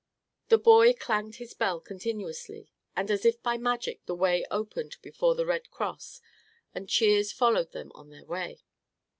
The boy clanged his bell continuously and as if by magic the way opened before the Red Cross and cheers followed them on their way.